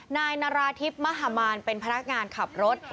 นายนรทิพย์มหมาลเป็นพนักงานขับรถ